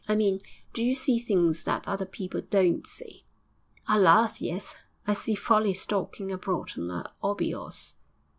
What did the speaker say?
'I mean, do you see things that other people don't see?' 'Alas! yes; I see Folly stalking abroad on a 'obby 'orse.'